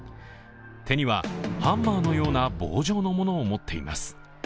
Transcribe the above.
手にはハンマーのような棒状の物を持っています。